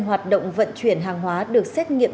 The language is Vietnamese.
hoạt động vận chuyển hàng hóa được xét nghiệm